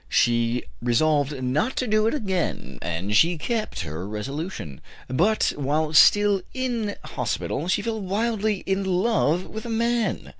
She resolved not to do it again, and she kept her resolution. But while still in hospital she fell wildly in love with a man.